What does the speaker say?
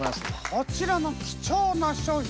こちらの貴重な商品